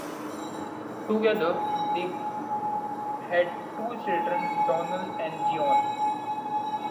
Together they had two children, Donald and Joan.